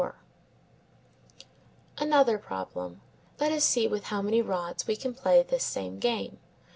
Another problem: let us see with how many rods we can play this same game.